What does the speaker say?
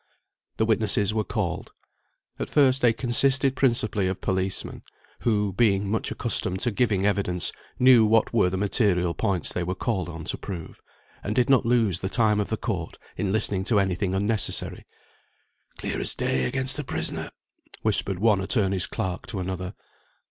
The witnesses were called. At first they consisted principally of policemen; who, being much accustomed to giving evidence, knew what were the material points they were called on to prove, and did not lose the time of the court in listening to any thing unnecessary. "Clear as day against the prisoner," whispered one attorney's clerk to another.